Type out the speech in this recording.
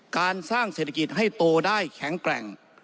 การสร้างเศรษฐกิจให้โตได้แข็งแกร่ง